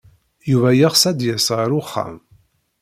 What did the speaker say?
Yuba yeɣs ad d-yas ɣer uxxam.